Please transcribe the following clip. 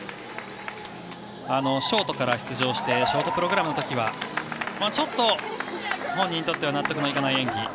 ショートから出場してショートプログラムのときはちょっと本人にとっては納得のいかない演技。